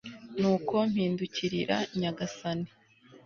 nuko mpindukirira nyagasani